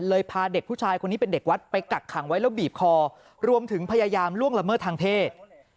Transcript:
พาเด็กผู้ชายคนนี้เป็นเด็กวัดไปกักขังไว้แล้วบีบคอรวมถึงพยายามล่วงละเมิดทางเพศ